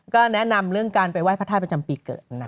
ก็แนะนำเรื่องการไปไห้พระธาตุประจำปีเกิดนะ